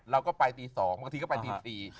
เราก็ไปตี๒บางทีก็ไปตี๔